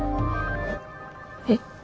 えっ？